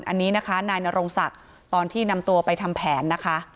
อันนี้นะคะนายนรงศักดิ์ตอนที่นำตัวไปทำแผนนะคะ